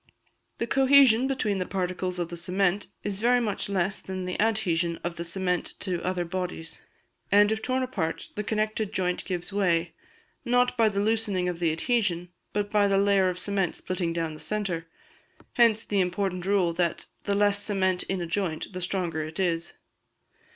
The cohesion between the particles of the cement is very much less than the adhesion of the cement to other bodies; and if torn apart, the connected joint gives way, not by the loosening of the adhesion, but by the layer of cement splitting down the centre. Hence the important rule that the less cement in a joint the stronger it is.